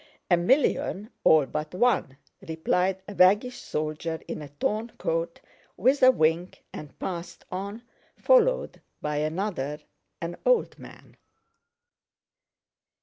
"A million all but one!" replied a waggish soldier in a torn coat, with a wink, and passed on followed by another, an old man.